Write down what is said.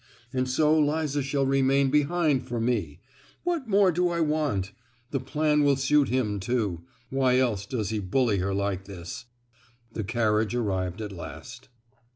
—and so Liza shall remain behind for me! what more do I want? The plan will suit him, too!—else why does he bully her like this?" The carriage arrived at last.